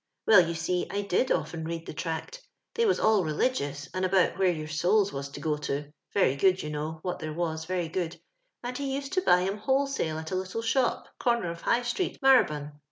Well, you see, I did often read tlio tract ; they wag all religious, and about where your souls was to go to — very good, you know, what there was, very good ; and he used to buy 'em whole sale at a little shop, comer of High street^ Marrabun.